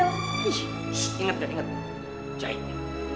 ingat kan ingat jahitnya